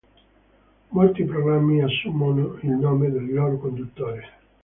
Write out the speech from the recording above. Molti programmi assumono il nome del loro conduttore.